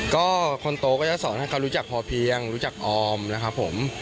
ก็คนโตก็จะสอนให้เขารู้จักพอเพียงรู้จักออมนะครับผม